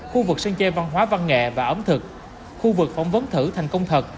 khu vực sân chơi văn hóa văn nghệ và ẩm thực khu vực phỏng vấn thử thành công thật